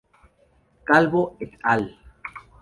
Calvo "et al.